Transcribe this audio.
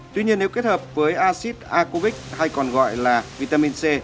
tuy nhiên nếu kết hợp với acid acovite hay còn gọi là vitamin c